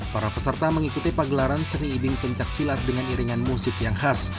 para peserta mengikuti pagelaran seni ibing pencaksilat dengan iringan musik yang khas